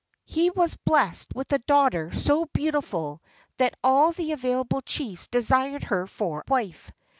He was blessed with a daughter so beautiful that all the available chiefs desired her for wife.